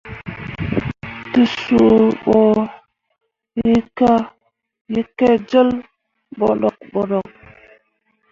Te suu ɓo yi ke jol bonok bonok.